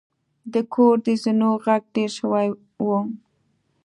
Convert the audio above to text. د کور د زینو غږ ډیر شوی و.